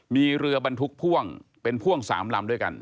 มีเรือบรรทุกพ่วงเป็นพ่วง๓ลำด้วยกัน